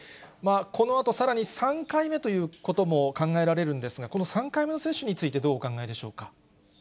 このあと、さらに３回目ということも考えられるんですが、この３回目の接種についてどうお考えでしょうか。